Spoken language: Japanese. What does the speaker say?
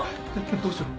どうしよう。